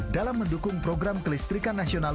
dalam mendukung program kelistrikan nasional